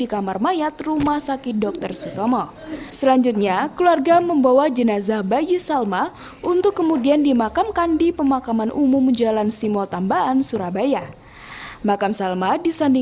kami telah melakukan perawatan operasi